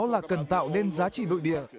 là cần tạo nên giá trị nội địa